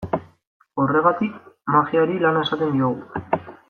Horregatik, magiari lana esaten diogu.